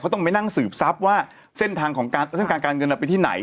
เขาต้องไปนั่งสืบทั้งหมดไงว่าเส้นทางการเงินออกไปที่ไหน